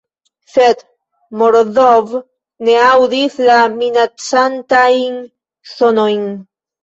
Sed Morozov ne aŭdis la minacantajn sonojn.